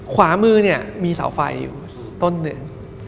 ขวามือเนี่ยมีเสาไฟอยู่ต้นหนึ่ง